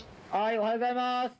おはようございます。